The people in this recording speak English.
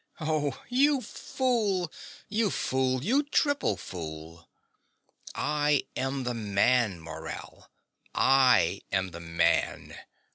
Oh, you fool, you fool, you triple fool! I am the man, Morell: I am the man.